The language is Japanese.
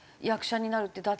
役者になるって。